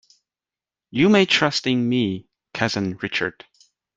You may trust in me, cousin Richard.